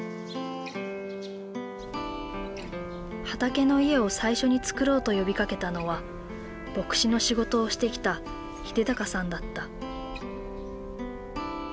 はたけのいえを最初に作ろうと呼びかけたのは牧師の仕事をしてきた英尚さんだった。